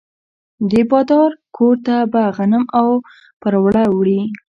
د بادار کور ته به غنم او پروړه وړي.